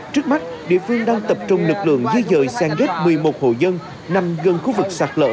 trước mắt địa phương đang tập trung lực lượng di dời sen ghép một mươi một hộ dân nằm gần khu vực sạt lở